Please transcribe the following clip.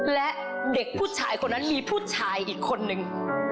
และเด็กผู้ชายคนนั้นมีผู้ชายอีกคนนึง